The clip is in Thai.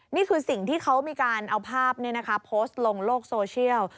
นี่คือสิ่งที่เขามีการเอาภาพโพสต์ลงโลกโซเชียล